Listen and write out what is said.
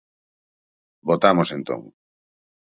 Votamos entón.